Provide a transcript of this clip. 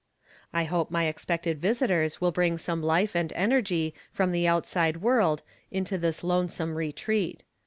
I hope my expected visitors will bring some life and ene]^y';fipom the outside world into this lonesome retreat.